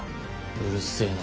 うるせえな。